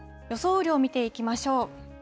雨量を見ていきましょう。